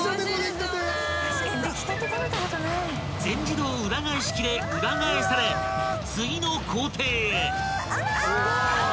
［全自動裏返し機で裏返され次の工程へ］